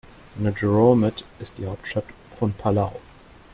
Ngerulmud ist die Hauptstadt von Palau.